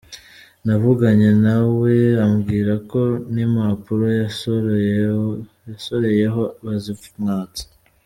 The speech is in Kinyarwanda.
Navuganye na we ambwira ko n’impapuro yasoreyeho bazimwatse.